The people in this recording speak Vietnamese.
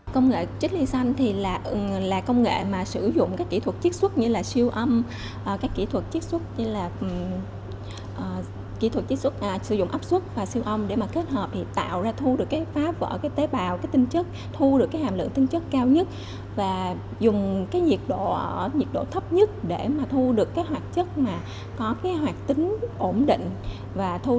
công nghệ chích ly xanh là công nghệ sử dụng các kỹ thuật chích xuất như siêu âm sử dụng ấp xuất và siêu âm để kết hợp tạo ra thu được phá vỡ tế bào thu được hàm lượng tinh chất cao nhất và dùng nhiệt độ thấp nhất để thu được hoạt chất có hoạt tính ổn định